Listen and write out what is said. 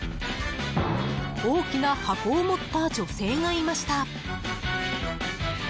大きな箱を持った女性がいました。